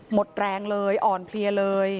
หมดแรงเลยอ่อนเพลียเลย